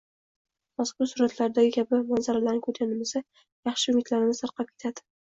mazkur suratlardagi kabi manzaralarni ko‘rganimizda yaxshi umidlarimiz tarqab ketadi?